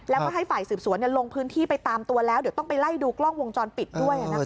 แล้วก็ให้ฝ่ายสืบสวนลงพื้นที่ไปตามตัวแล้วเดี๋ยวต้องไปไล่ดูกล้องวงจรปิดด้วย